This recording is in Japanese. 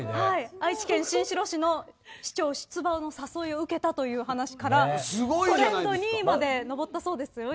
愛知県新城市の市長出馬の誘いを受けたという話がトレンド２位まで上ったそうです。